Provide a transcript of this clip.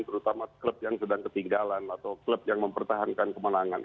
terutama klub yang sedang ketinggalan atau klub yang mempertahankan kemenangan